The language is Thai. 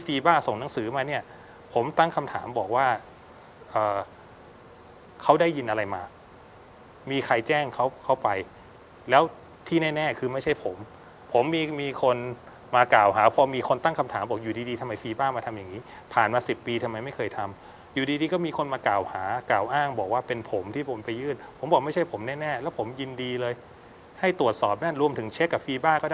ส่งหนังสือมาเนี่ยผมตั้งคำถามบอกว่าเขาได้ยินอะไรมามีใครแจ้งเขาเข้าไปแล้วที่แน่คือไม่ใช่ผมผมมีคนมากล่าวหาพอมีคนตั้งคำถามบอกอยู่ดีดีทำไมฟีบ้ามาทำอย่างนี้ผ่านมาสิบปีทำไมไม่เคยทำอยู่ดีก็มีคนมากล่าวหากล่าวอ้างบอกว่าเป็นผมที่ผมไปยื่นผมบอกไม่ใช่ผมแน่แล้วผมยินดีเลยให้ตรวจสอบรวมถึงเช็คกับฟีบ้าก็ได้